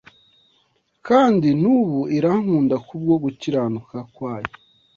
kandi n’ubu irankunda ku bwo gukiranuka kwayo.